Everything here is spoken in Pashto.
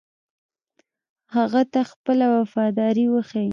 هغه ته خپله وفاداري وښيي.